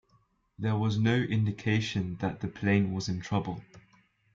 There was no indication that the plane was in trouble.